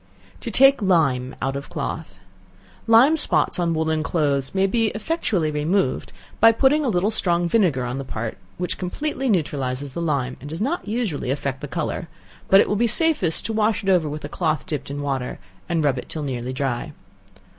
To Take Lime out of Cloth. Lime spots on woollen clothes may be effectually removed, by putting a little strong vinegar on the part, which completely neutralizes the lime, and does not usually effect the color; but it will be safest to wash it over with a cloth dipped in water, and rub it till nearly dry.